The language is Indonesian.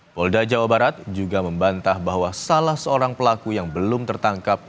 polda jawa barat juga membantah bahwa salah seorang pelaku yang belum tertangkap